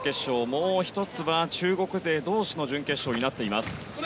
もう１つは中国勢同士の準決勝になっています。